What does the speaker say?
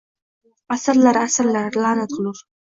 Asrlar, asrlar – la’nat o’qilur